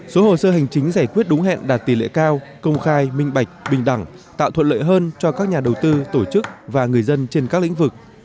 số hồ sơ hành chính giải quyết đúng hẹn đạt tỷ lệ cao công khai minh bạch bình đẳng tạo thuận lợi hơn cho các nhà đầu tư tổ chức và người dân trên các lĩnh vực